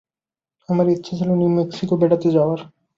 আমার ইচ্ছা ছিল নিউ মেক্সিকো বেড়াতে যাওয়ার।